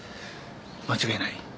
間違いない。